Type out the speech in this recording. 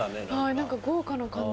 何か豪華な感じ。